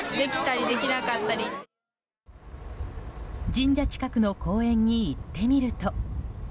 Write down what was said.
神社近くの公園に行ってみると。